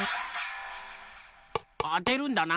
あてるんだな。